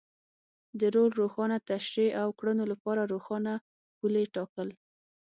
د رول روښانه تشرېح او کړنو لپاره روښانه پولې ټاکل.